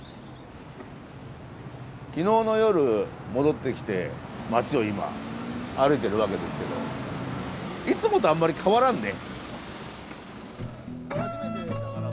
昨日の夜戻ってきて街を今歩いてるわけですけどいつもとあんまり変わらんね。